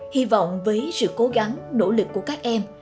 hy vọng với sự cố gắng nỗ lực của các em